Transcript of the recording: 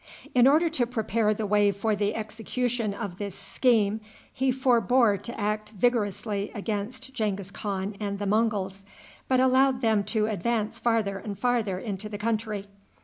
In order to prepare the way for the execution of this scheme, he forbore to act vigorously against Genghis Khan and the Monguls, but allowed them to advance farther and farther into the country.